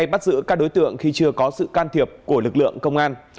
bắt giữ các đối tượng khi chưa có sự can thiệp của lực lượng công an